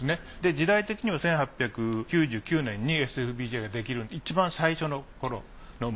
時代的には１８９９年にＳ．Ｆ．Ｂ．Ｊができる一番最初の頃のモデル。